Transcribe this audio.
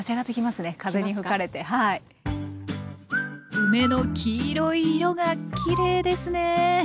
梅の黄色い色がきれいですね。